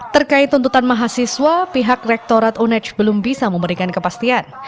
terkait tuntutan mahasiswa pihak rektorat unec belum bisa memberikan kepastian